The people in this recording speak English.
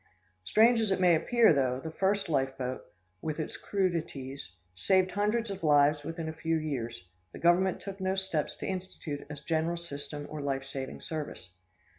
Strange as it may appear, though the first life boat, with its crudities, saved hundreds of lives within a few years, the Government took no steps to institute a general system or life saving service.